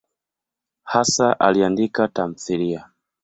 Hasa aliandika tamthiliya.